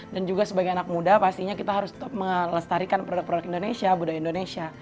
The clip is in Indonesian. dan juga sebagai anak muda pastinya kita harus tetap melestarikan produk produk indonesia budaya indonesia